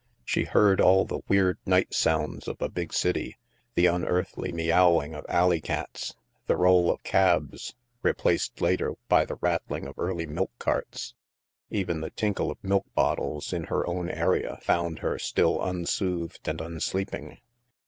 She heard all the weird night sounds of a big city; the imearthly meowing of alley cats; the roll of cabs, replaced later by the rattling of early milk carts; even the tinkle of milk bottles in her own area found her still unsoothed and unsleeping.